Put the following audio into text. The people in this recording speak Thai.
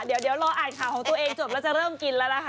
เดี๋ยวรออ่านข่าวของตัวเองจบแล้วจะเริ่มกินแล้วนะคะ